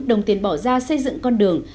đồng tiền bỏ ra xây dựng con đường